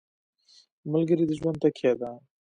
ملګری د ژوند تکیه ده.